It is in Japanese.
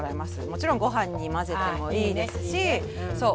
もちろんご飯に混ぜてもいいですしそう